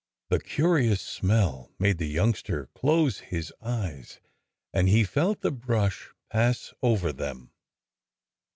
The curious smell made the youngster close his eyes and he felt the brush pass over them.